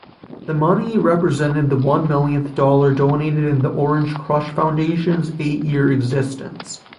The money represented the one-millionth dollar donated in the Orange Krush Foundation's eight-year existence.